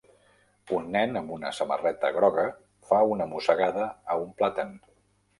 Un nen amb una samarreta groga fa una mossegada a un plàtan.